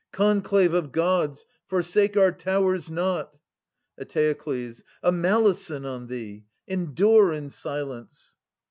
Conclave of Gods, forsake our towers not ! Etbokles. A malison on thee ! Endure in silence